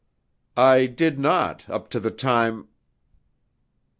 "I did not, up to the time...."